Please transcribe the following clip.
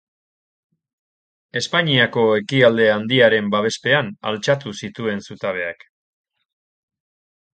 Espainiako Ekialde Handiaren babespean altxatu zituen zutabeak.